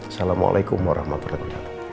assalamualaikum warahmatullahi wabarakatuh